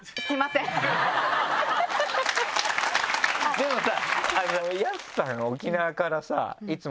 でもさ。